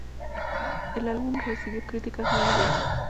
El álbum recibió críticas muy diversas.